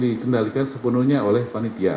dikendalikan sepenuhnya oleh panitia